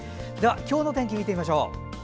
今日の天気見てみましょう。